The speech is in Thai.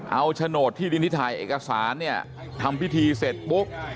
เอาโฉนดที่ดินที่ถ่ายเอกสารเนี่ยทำพิธีเสร็จปุ๊บ